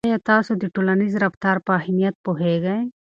آیا تاسو د ټولنیز رفتار په اهمیت پوهیږئ.